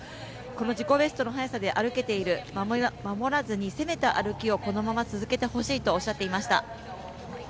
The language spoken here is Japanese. この自己ベストの速さで歩けている守らずに攻めた歩きをこのまま続けてほしいとおっしゃっていました。